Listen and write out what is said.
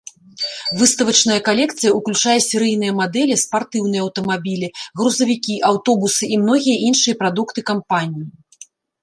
Выставачная калекцыя ўключае серыйныя мадэлі, спартыўныя аўтамабілі, грузавікі, аўтобусы і многія іншыя прадукты кампаніі.